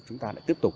chúng ta lại tiếp tục